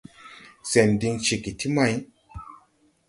Sɛn diŋ ceege ti may !